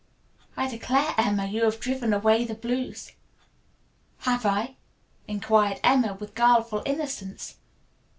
"I declare, Emma, you have driven away the blues." "Have I?" inquired Emma with guileful innocence.